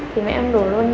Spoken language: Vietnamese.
thì mẹ em đổ luôn